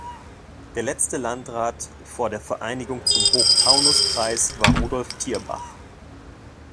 Der letzte Landrat vor der Vereinigung zum Hochtaunuskreis war Rudolf Thierbach.